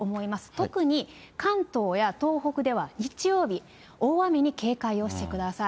特に関東や東北では日曜日、大雨に警戒をしてください。